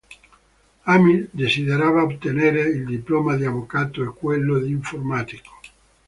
Amir desiderava ottenere il diploma di avvocato e quello di informatico.